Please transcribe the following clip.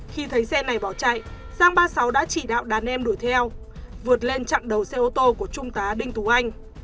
khi thấy xe này bỏ chạy giang ba mươi sáu đã chỉ đạo đàn em đuổi theo vượt lên chặn đầu xe ô tô của trung tá đinh tú anh